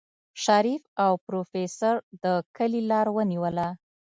شريف او پروفيسر د کلي لار ونيوله.